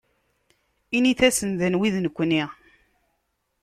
Init-asen anwi d nekni.